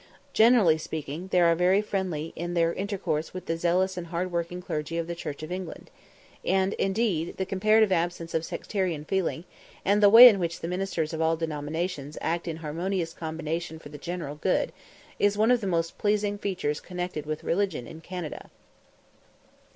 Generally speaking, they are very friendly in their intercourse with the zealous and hard working clergy of the Church of England; and, indeed, the comparative absence of sectarian feeling, and the way in which the ministers of all denominations act in harmonious combination for the general good, is one of the most pleasing features connected with religion in Canada.